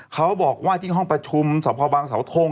เขาบอกว่าที่ห้องประชุมสพบางสาวทง